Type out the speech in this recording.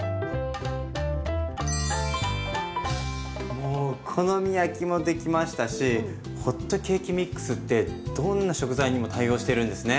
もうお好み焼きもできましたしホットケーキミックスってどんな食材にも対応してるんですね。